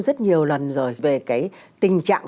rất nhiều lần rồi về cái tình trạng